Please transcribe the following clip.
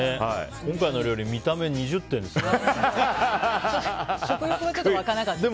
今回の料理、見た目２０点ですね。